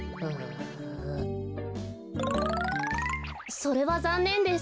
それはざんねんです。